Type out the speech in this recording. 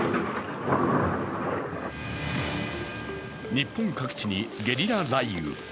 日本各地にゲリラ雷雨。